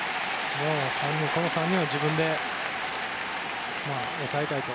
この３人は自分で抑えたいと。